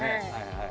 はい。